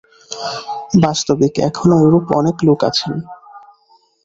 বাস্তবিক এখনও এরূপ অনেক লোক আছেন।